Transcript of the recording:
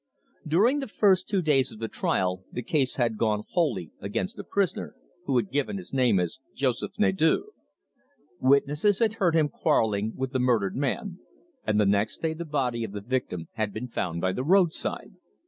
During the first two days of the trial the case had gone wholly against the prisoner, who had given his name as Joseph Nadeau. Witnesses had heard him quarrelling with the murdered man, and the next day the body of the victim had been found by the roadside.